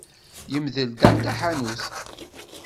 Yemdel Dan taḥanut.